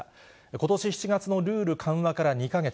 ことし７月のルール緩和から２か月。